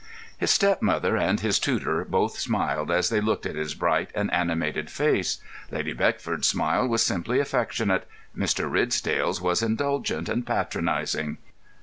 His stepmother and his tutor both smiled as they looked at his bright and animated face. Lady Beckford's smile was simply affectionate; Mr. Ridsdale's was indulgent and patronising.